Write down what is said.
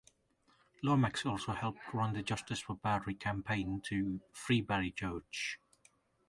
Lomax also helped run the Justice for Barry campaign to free Barry George.